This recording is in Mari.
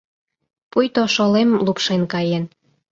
Пуйто шолем лупшен каен.